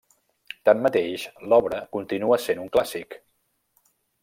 Tanmateix, l'obra continua sent un clàssic.